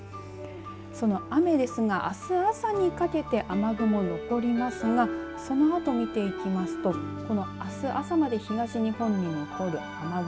その雨ですがあす朝にかけて雨雲残りますがそのあと見ていきますとあす朝まで東日本に残る雨雲。